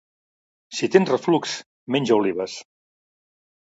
Si tens refluxe menja olives